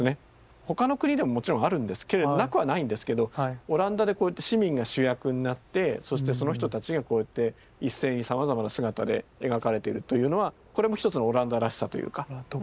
他の国でももちろんあるんですけれどなくはないんですけどオランダでこうやって市民が主役になってそしてその人たちがこうやって一斉にさまざまな姿で描かれているというのはこれも一つのオランダらしさというか。